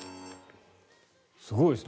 すごいですね。